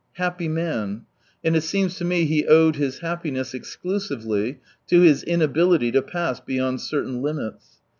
Happy man ! And it seems to me he owed his happiness exclusively to his inability to pass beyond certain limits.